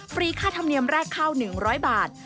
รีค่าธรรมเนียมแรกข้าว๑๐๐บาท